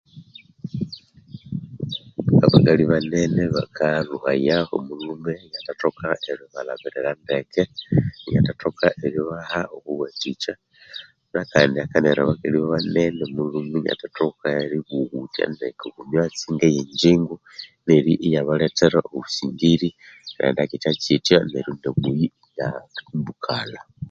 Abakali banene ba kalhuhaya omulhume inyathathoka eribalhabirira ndeke, inyathathoka eribaha obuwathikya, nahandi hakanaghira abakali banene omulhume inyathathoka eribuwuthya oku myatsi ngeye ngyingo, neryo iya balethera obu singiri, erighenda kyithya-kyithya, neryo no muyi inya himbukalha